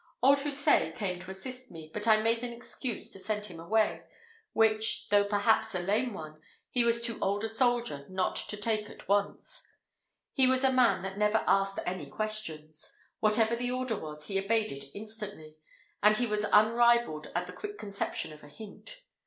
Old Houssaye came to assist me, but I made an excuse to send him away, which, though perhaps a lame one, he was too old a soldier not to take at once. He was a man that never asked any questions; whatever the order was, he obeyed it instantly, and he was unrivalled at the quick conception of a hint.